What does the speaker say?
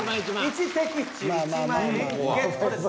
１的中１万円ゲットです。